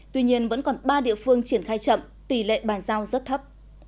tuy nhiên vẫn còn ba địa phương triển khai chậm tỷ lệ bàn giao rất thấp